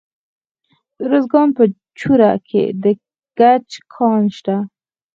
د ارزګان په چوره کې د ګچ کان شته.